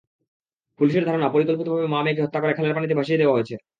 পুলিশের ধারণা, পরিকল্পিতভাবে মা-মেয়েকে হত্যা করে খালের পানিতে ভাসিয়ে দেওয়া হয়েছে।